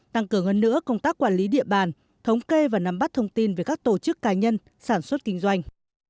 tăng cường hơn nữa công tác quản lý địa bàn thống kê và nắm bắt thông tin về các tổ chức cá nhân sản xuất kinh doanh